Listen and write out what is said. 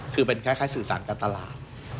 คือเป็นคล้ายสื่อสารการตลาด